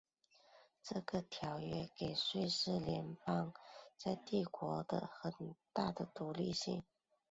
这个条约给了瑞士邦联在帝国中的很大的独立性。